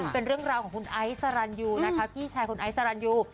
เป็นเรื่องราวของคุณไอซ์สรรยูนะคะพี่ชายคุณไอซ์สรรยู